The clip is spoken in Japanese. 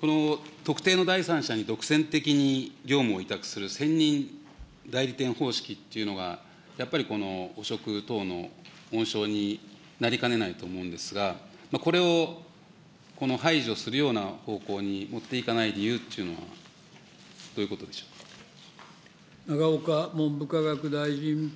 この特定の第三者に独占的に業務を委託する専任代理店方式というのが、やっぱりこの汚職等の温床になりかねないと思うんですが、これをこの排除するような方向に持っていかない理由っていうのは、永岡文部科学大臣。